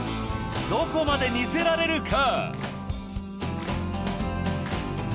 どこまで似せられるか？